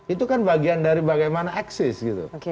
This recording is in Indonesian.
itu kan bagian dari bagaimana eksis gitu